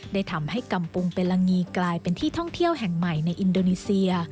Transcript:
ได้ทำให้กำปุงเปลังีกลายเป็นที่ท่องเที่ยวแห่งใหม่ในอินโดนีเซีย